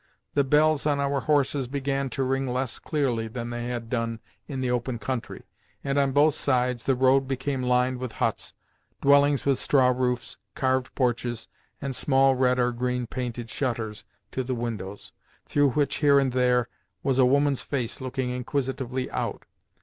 The bells on our horses began to ring less clearly than they had done in the open country, and on both sides the road became lined with huts—dwellings with straw roofs, carved porches, and small red or green painted shutters to the windows, through which, here and there, was a woman's face looking inquisitively out.